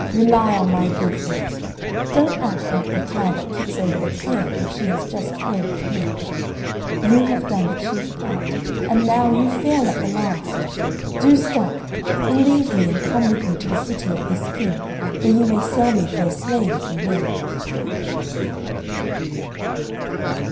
Rely on my good faith. Don't act like the cow that kicks over the pail which she has just filled with milk. You have done the chief part, and now you fail at the last. Do stop! Believe me, and come with me to the city of this King, where you may sell me for a slave if you will!"